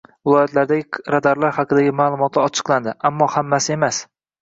Viloyatlardagi radarlar haqidagi ma'lumotlar ochiqlandi. Ammo hammasi emas